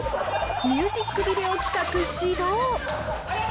ミュージックビデオ企画始動。